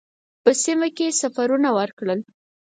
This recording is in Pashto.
په سیمه کې سفرونه وکړل.